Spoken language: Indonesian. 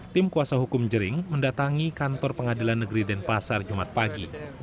tim kuasa hukum jering mendatangi kantor pengadilan negeri denpasar jumat pagi